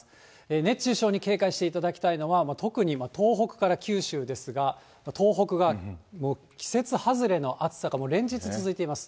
熱中症に警戒していただきたいのは、特に東北から九州ですが、東北が季節外れの暑さが連日続いています。